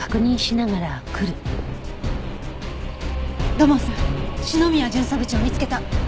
土門さん篠宮巡査部長を見つけた。